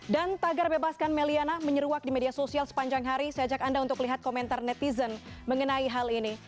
dan agar bebaskan meliana menyeruak di media sosial sepanjang hari saya ajak anda untuk lihat komentar netizen mengenai hal ini